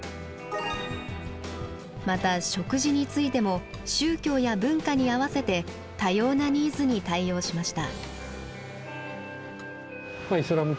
また食事についても宗教や文化に合わせて多様なニーズに対応しました。